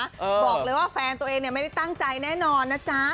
บอกเลยว่าแฟนตัวเองเนี่ยไม่ได้ตั้งใจแน่นอนนะจ๊ะ